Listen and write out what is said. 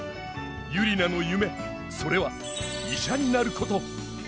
ユリナの夢それは医者になること。